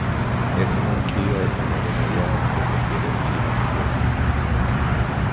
Es una orquídea de tamaño mediano, que prefiere un clima caliente.